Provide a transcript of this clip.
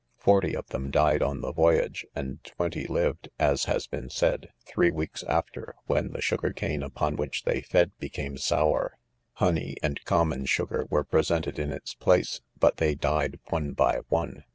— Forty of them died on the voyage^ and twenty lived, as has been said, three' weeks after, when the sugar cane upon which they feci "became. sour. Hoaey and common sugar was presented in its place, "but they died one by one.